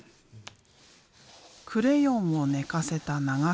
クレヨンを寝かせた流し込み。